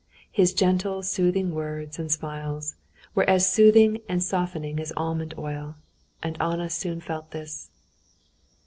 His gentle, soothing words and smiles were as soothing and softening as almond oil. And Anna soon felt this.